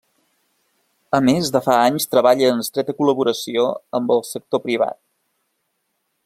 A més, de fa anys treballa en estreta col·laboració amb el sector privat.